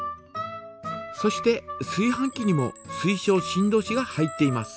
そしてすい飯器にも水晶振動子が入っています。